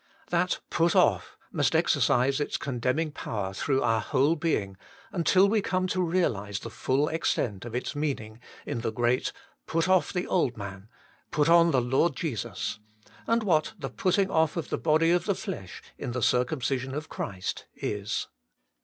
That Put off! must exercise its condemning power through our whole being, until we come to realize the full extent of its meaning in the great, ' Put off the old man ; put on the Lord Jesus,' and what ' the putting off of the body of the flesh, in the circumcision of Christ,' is.